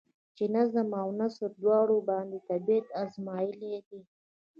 چې نظم او نثر دواړو باندې طبېعت ازمائېلے دے ۔